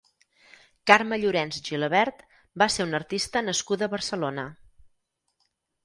Carme Llorens Gilabert va ser una artista nascuda a Barcelona.